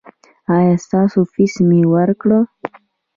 ایا ستاسو فیس مې ورکړ؟